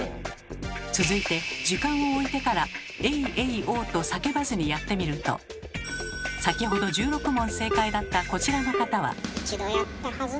続いて時間をおいてから「エイエイオー」と叫ばずにやってみると先ほど１６問正解だったこちらの方は。